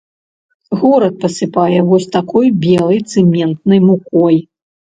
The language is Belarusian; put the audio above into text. Горад пасыпае вось такой белай цэментнай мукой.